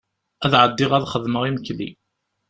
Ad ɛeddiɣ ad xedmeɣ imekli.